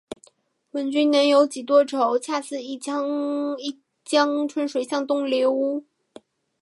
问君能有几多愁？恰似一江春水向东流